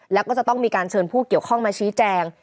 แล้วก็จะต้องมีการเชิญผู้เกี่ยวข้องมาชี้แจง